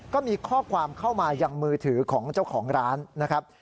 ก็มีข้อความเข้ามายังมือถือของเจ้าของร้านนะครับ